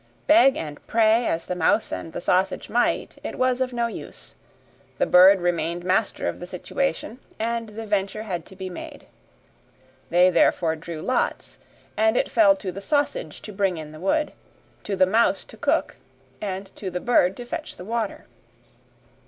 Beg and pray as the mouse and the sausage might, it was of no use; the bird remained master of the situation, and the venture had to be made. They therefore drew lots, and it fell to the sausage to bring in the wood, to the mouse to cook, and to the bird to fetch the water.